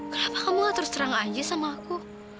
kenapa kamu gak terus terang aja sama aku